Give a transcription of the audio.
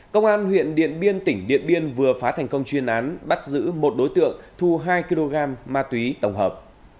công an huyện điện biên tỉnh điện biên vừa phá thành công chuyên án bắt giữ một đối tượng thu hai kg ma túy tổng hợp